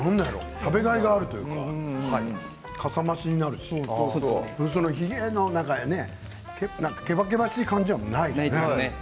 食べがいがあるというかかさ増しになるし、ヒゲの何かねけばけばしい感じはないですね。